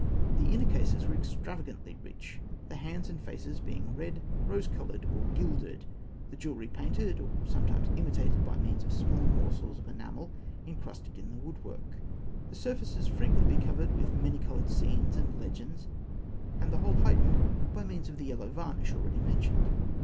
The inner cases were extravagantly rich, the hands and faces being red, rose coloured, or gilded; the jewellery painted, or sometimes imitated by means of small morsels of enamel encrusted in the wood work; the surfaces frequently covered with many coloured scenes and legends, and the whole heightened by means of the yellow varnish already mentioned.